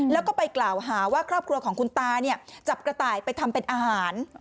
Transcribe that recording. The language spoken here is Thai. แล้วก็ไปกล่าวหาว่าครอบครัวของคุณตาเนี่ยจับกระต่ายไปทำเป็นอาหาร